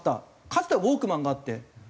かつてはウォークマンがあって。